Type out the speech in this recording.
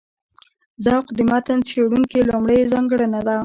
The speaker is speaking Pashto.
ذوق د متن څېړونکي لومړۍ ځانګړنه ده.